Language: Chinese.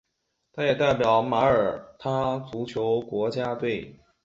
他也代表马耳他国家足球队参赛。